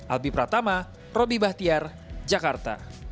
albi pratama robby bahtiar jakarta